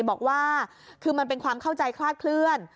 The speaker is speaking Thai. บอกว่าคือมันเป็นความเข้าใจคลาดเคลื่อน